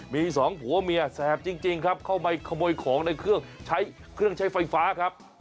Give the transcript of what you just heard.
มีสองผัวเมียแสบจริงครับเข้ามาขโมยของในเครื่องใช้เครื่องใช้ไฟฟ้าครับ